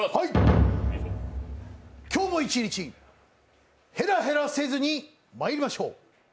今日も一日へらへらせずにまいりましょう。